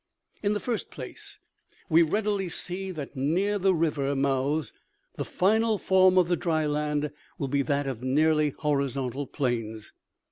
OMEGA. 83 " In the first place, we readily see that near the river mouths the final form of the dry land will be that of nearly horizontal plains.